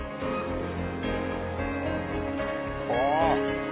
ああ！